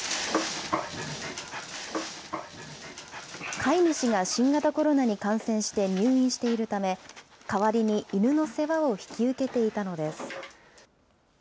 飼い主が新型コロナに感染して入院しているため、代わりに犬の世話を引き受けていたのです。